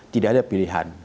tidak ada pilihan